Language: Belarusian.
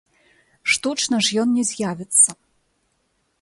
Штучна ж ён не з'явіцца!